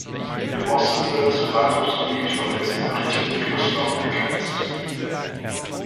Im Osten wird das Verwaltungsgebiet von dessen alten Flusslauf begrenzt.